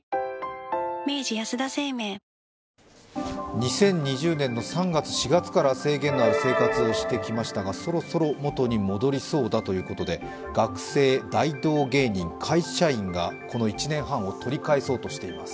２０２０年の３月、４月から制限のある生活をしてきましたがそろそろ元に戻りそうだということで学生、大道芸人、会社員がこの１年半を取り返そうとしています。